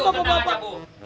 oh tenang pak